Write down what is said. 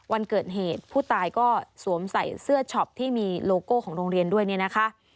วันเกิดเหตุผู้ตายก็สวมใส่เสื้อช็อปที่มีโลโก้ของโรงเรียนด้วยเนี่ยนะคะ